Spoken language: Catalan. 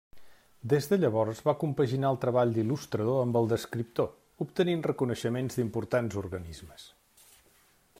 Des de llavors va compaginar el treball d'il·lustrador amb el d'escriptor, obtenint reconeixements d'importants organismes.